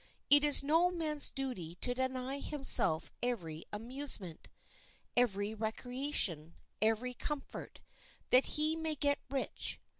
It is no man's duty to deny himself every amusement, every recreation, every comfort, that he may get rich.